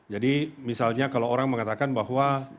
jadi misalnya kalau orang mengatakan bahwa